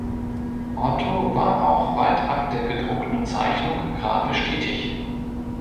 Otto war auch weitab der gedruckten Zeichnung grafisch tätig.